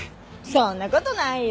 そんな事ないよ。